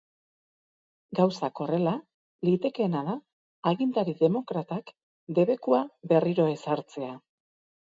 Gauzak horrela, litekeena da agintari demokratak debekua berriro ezartzea.